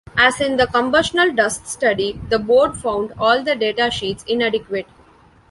As in the combustible dust study, the board found all the data sheets inadequate.